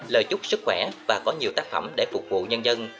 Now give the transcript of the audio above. lời chúc sức khỏe và có nhiều tác phẩm để phục vụ nhân dân